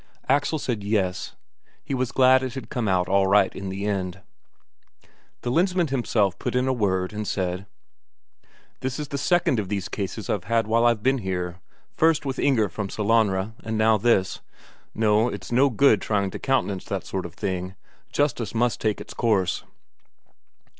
Axel said, "Yes"; he was glad it had come out all right in the end. The Lensmand himself put in a word, and said: "This is the second of these cases I've had while I've been here first with Inger from Sellanraa, and now this. No, it's no good trying to countenance that sort of thing justice must take its course."